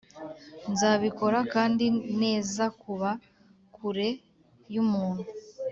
nzabikora kandi nezakuba kure yumuntu